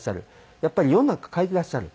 やっぱり世の中変えてらっしゃる。